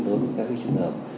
đối với các trường hợp